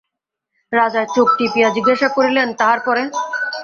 রাজা চোখ টিপিয়া জিজ্ঞাসা করিলেন, তার পরে?